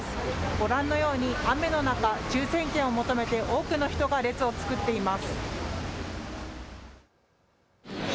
ご覧のように雨の中、抽せん券を求めて多くの人が列を作っています。